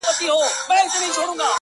هنر هنر سوم زرګري کومه ښه کومه ,